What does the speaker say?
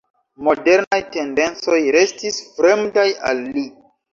Modernaj tendencoj restis fremdaj al li.